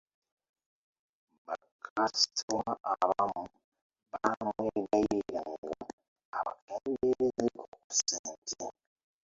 Bakasitoma abamu baamwegayiriranga abakendeerezeeko ku ssente.